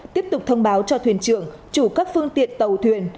tiếp tục thông báo cho thuyền trưởng chủ các phương tiện tàu thuyền